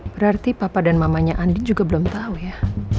berarti papa dan mamanya andi juga belum tahu ya